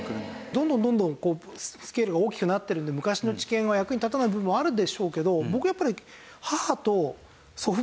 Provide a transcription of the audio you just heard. どんどんどんどんスケールが大きくなってるので昔の知見は役に立たない部分もあるでしょうけど僕やっぱり。